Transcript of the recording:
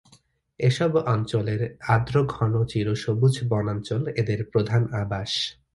এসব অঞ্চলের আর্দ্র ঘন চিরসবুজ বনাঞ্চল এদের প্রধান আবাস।